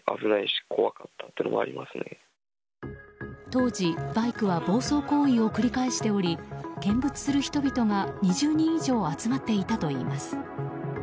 当時、バイクは暴走行為を繰り返しており見物する人々が２０人以上集まっていたといいます。